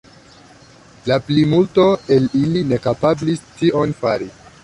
La plimulto el ili ne kapablis tion fari.